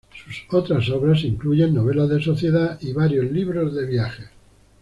Sus otras obras incluyen novelas de sociedad y varios libros de viajes.